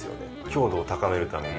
強度を高めるために。